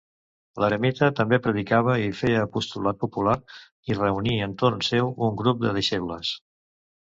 L'eremita també predicava i feia apostolat popular, i reuní entorn seu un grup de deixebles.